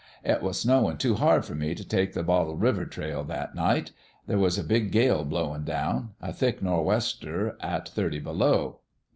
" It was snowin' too hard for me t' take the Bottle River trail that night. There was a big gale blowin' down a thick nor' wester at thirty below.